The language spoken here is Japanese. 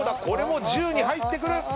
これも１０に入ってくる。